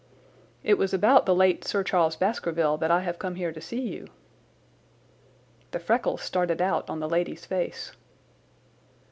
"It was about the late Sir Charles Baskerville that I have come here to see you." The freckles started out on the lady's face.